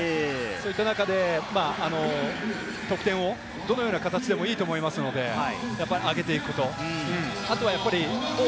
そういった中で、得点をどのような形でもいいと思いますので、上げていくこと。